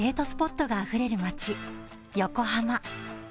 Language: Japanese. スポットがあふれる街、横浜。